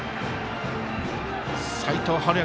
齋藤敏哉